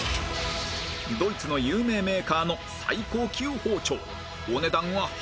ドイツの有名メーカーの最高級包丁